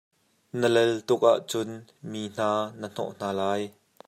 Na lel tuk ahcun mi hna na hnawh hna lai.